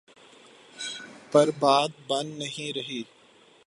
پر بات بن نہیں رہی۔